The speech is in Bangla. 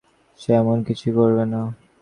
সে এমন কিছুই করবে না।